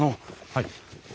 はい。